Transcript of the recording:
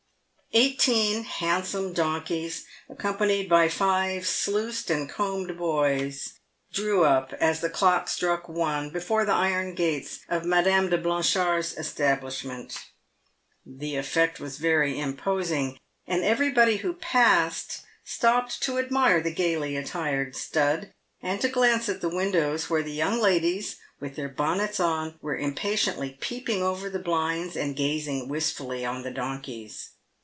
Eighteen handsome donkeys, accompanied by five sluiced and combed boys, drew up, as the clock struck one, before the iron gates of Madame de Blanchard's establishment. The effect was very im posing, and everybody who passed stopped to admire the gaily attired stud, and to glance at the windows, where the young ladies, with their bonnets on, were impatiently peeping over the blinds, and gazing wistfully on the donkeys.